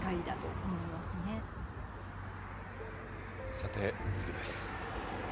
さて、次です。